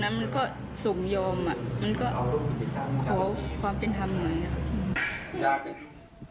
มันก็ขอความเป็นธรรมหน่อย